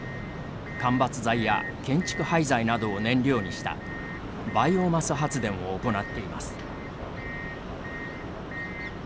間伐材や建築廃材などを燃料にしたバイオマス発電を行っています。